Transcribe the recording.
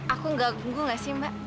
aku nggak gugup nggak sih mbak